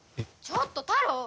ちょっとタロウ！